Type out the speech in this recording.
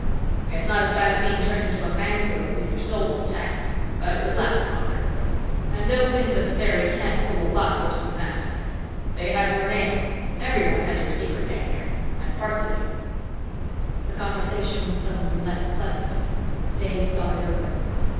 It's not as bad as being turned into a mangrove with your soul intact, but it would last longer. And don't think the Satheri can't pull a lot worse than that. They have your name everyone has your secret name here and parts of you." The conversation was suddenly less pleasant. Dave thought it over.